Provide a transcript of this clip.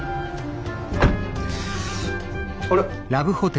あれ？